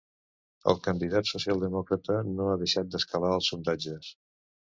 El candidat socialdemòcrata no ha deixat d’escalar als sondatges.